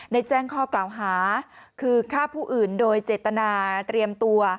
แจ้งข้อกล่าวหาคือฆ่าผู้อื่นโดยเจตนาเตรียมตัว